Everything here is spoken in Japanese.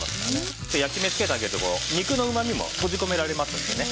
焼き目を付けてあげると肉のうまみも閉じ込められますのでね。